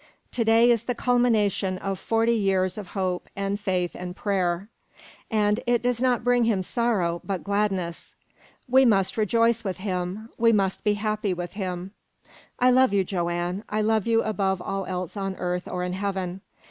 To day is the culmination of forty years of hope, and faith, and prayer. And it does not bring him sorrow, but gladness. We must rejoice with him. We must be happy with him. I love you, Joanne. I love you above all else on earth or in heaven.